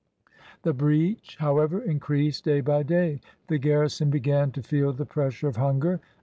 The breach, however, increased day by day. The garrison began to feel the pressure of hunger.